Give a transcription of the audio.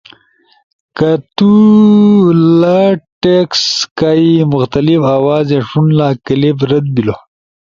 کہ تو لہ ٹیکسٹ کائی مختلف آوازے ݜونلا، کلپ رد بیلو۔